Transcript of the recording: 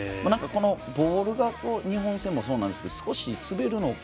ボールが、日本戦もそうでしたが少し滑るのか。